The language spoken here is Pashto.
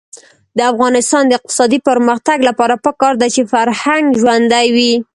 د افغانستان د اقتصادي پرمختګ لپاره پکار ده چې فرهنګ ژوندی وي.